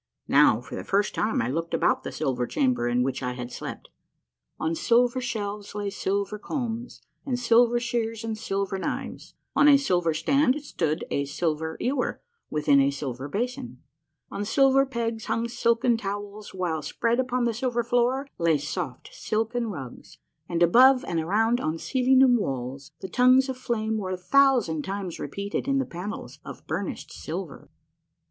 Now, for the first time, I looked about the A MARVELLOUS UNDERGROUND JOURNEY 105 silver chamber in which I had slept. On silver shelves lay silver combs and silver shears and silver knives ; on a silver stand stood a silver ewer within a silver basin ; on silver pegs hung silken towels, while spread upon the silver floor lay soft, silken rugs, and above and around on ceiling and walls the tongues of flame were a thousand times repeated in the panels of burnished silver.